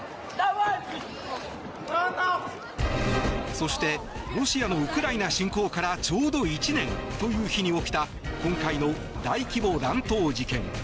そして、ロシアのウクライナ侵攻からちょうど１年という日に起きた今回の大規模乱闘事件。